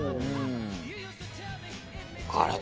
あれ？